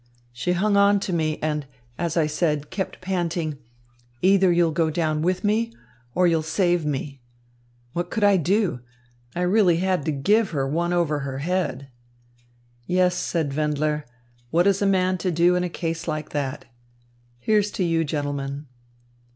She hung on to me, and, as I said, kept panting, 'Either you'll go down with me or you'll save me.' What could I do? I really had to give her one over her head." "Yes," said Wendler, "what is a man to do in a case like that? Here's to you, gentlemen!"